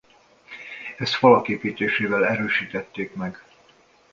Ezt falak építésével erősítették meg.